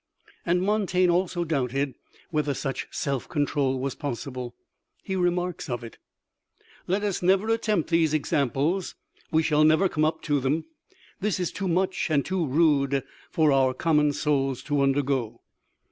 And MONTAIGNE also doubted whether such self control was possible. He remarks of it: "Let us never attempt these Examples; we shall never come up to them. This is too much and too rude for our common souls to undergo.